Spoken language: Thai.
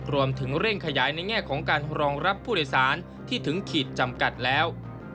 รวมถึงเร่งขยายในแง่ของการรองรับผู้โดยสารที่ถึงขีดจำกัดแล้ว